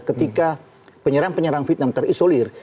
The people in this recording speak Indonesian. ketika penyerang penyerang vietnam terisolir